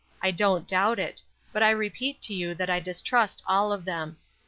I don't doubt it; but I repeat to you that I distrust all of them.